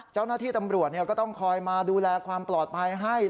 เจ้าหน้าที่ตำรวจก็ต้องคอยมาดูแลความปลอดภัยให้